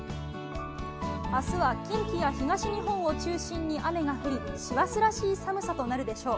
明日は近畿や東日本を中心に雨が降り師走らしい寒さとなるでしょう。